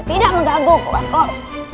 dia tidak menggaguk askol